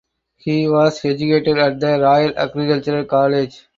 He was educated at the Royal Agricultural College.